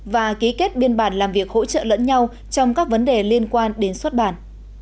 và ký kết biên bản làm việc hỗ trợ lẫn nhau trong các vấn đề liên quan đến xuất bản